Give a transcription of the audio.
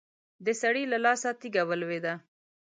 د سړي له لاسه تېږه ولوېده.